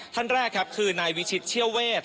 ท่านแรกครับคือนายวิชิตเชี่ยวเวท